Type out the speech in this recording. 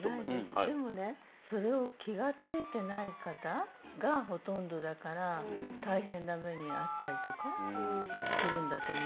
でもねそれを気が付いてない方がほとんどだから大変な目に遭ったりするんだと思うんです。